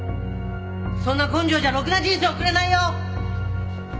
そんな根性じゃろくな人生送れないよ！